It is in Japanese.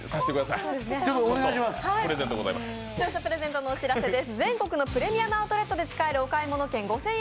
視聴者プレゼントのお知らせです。